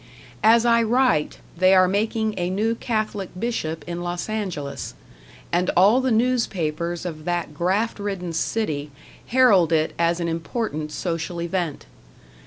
As I write, they are making a new Catholic bishop in Los Angeles, and all the newspapers of that graft ridden city herald it as an important social event.